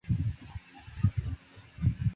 旋果蚊子草为蔷薇科蚊子草属的植物。